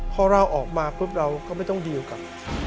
พอเราออกมาปุ๊บเราก็ไม่ต้องดีลกับ